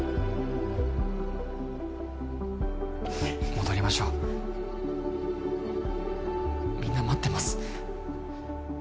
戻りましょうみんな待ってます